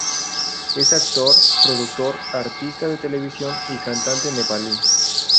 Es un actor, productor, artista de televisión y cantante nepalí.